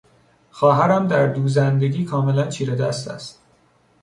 خواهرم در دوزندگی کاملا چیرهدست است.